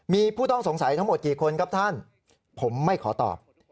มีผู้ต้องสงสัยทั้งหมดกี่คนครับท่านผมไม่ขอตอบ